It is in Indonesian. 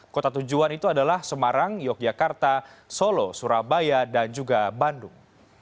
kota tujuan itu adalah semarang yogyakarta solo surabaya dan juga bandung